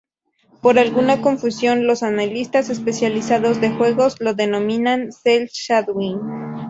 Por alguna confusión los analistas especializados de juegos lo denominan Cell-Shading.